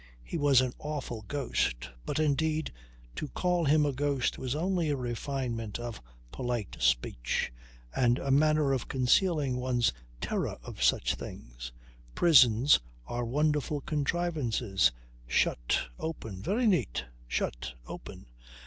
He was an awful ghost. But indeed to call him a ghost was only a refinement of polite speech, and a manner of concealing one's terror of such things. Prisons are wonderful contrivances. Shut open. Very neat. Shut open.